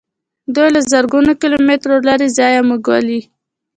دوی له زرګونو کیلو مترو لیرې ځایه موږ ولي.